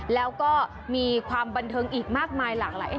แล้วก็มีความบันเทิงอีกมากมายหลากหลาย